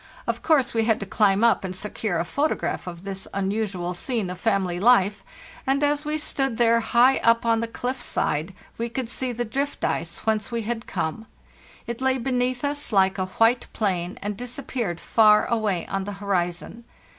Of course we had to climb up and secure a photograph of this unusual scene of family life, and as we stood there high up on the cliff's side we could see the drift ice whence we had come. It lay beneath us like a white plain, and disappeared far away on the horizon.